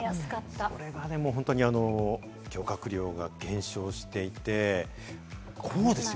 それが漁獲量が減少していて、こうですよ！